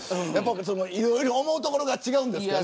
いろいろ思うところが違うんですかね。